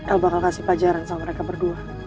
el bakal kasih pajaran sama mereka berdua